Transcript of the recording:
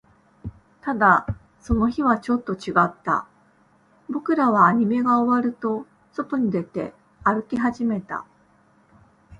ただ、その日はちょっと違った。僕らはアニメが終わると、外に出て、歩き始めた。